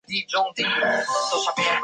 这天是不列颠空战的转折点。